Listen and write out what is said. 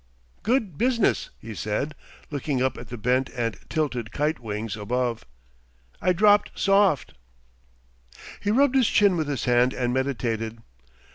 "Good business," he said, looking up at the bent and tilted kite wings above. "I dropped soft!" He rubbed his chin with his hand and meditated.